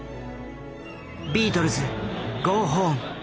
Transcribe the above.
「ビートルズゴーホーム」。